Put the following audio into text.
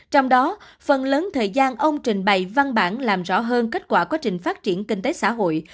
trong đó phần lớn thời gian ông trình bày văn bản làm rõ hơn kết quả quá trình phát triển kinh tế xã hội